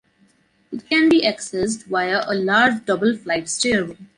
It can be accessed via a large double flight stairway.